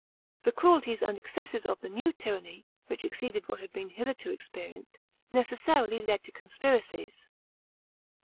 The cruelties and excesses of the new tyranny, which exceeded what had been hither to experienced, necessarily led to conspiracies.